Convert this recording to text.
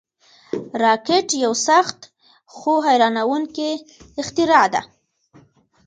راکټ یو سخت، خو حیرانوونکی اختراع ده